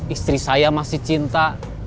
istri saya masih cinta